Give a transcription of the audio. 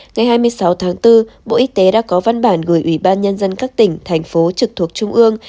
ngày hai mươi sáu tháng bốn bộ y tế đã có văn bản gửi ủy ban nhân dân các tỉnh thành phố trực thuộc trung ương